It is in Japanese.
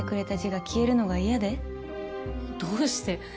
どうして？